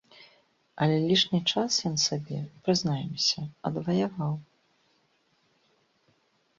Але лішні час ён сабе, прызнаемся, адваяваў.